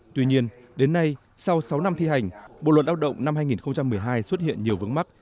tuy nhiên đến nay sau sáu năm thi hành bộ luật lao động năm hai nghìn một mươi hai xuất hiện nhiều vướng mắt